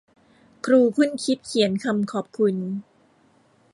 ครูครุ่นคิดเขียนคำขอบคุณ